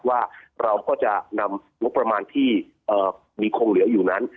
ว่าเราก็จะนำงบประมาณที่มีคงเหลืออยู่นั้น